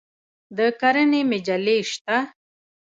د کرنې مجلې شته؟